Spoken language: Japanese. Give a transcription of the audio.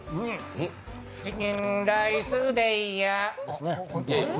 チキンライスでいいやですね。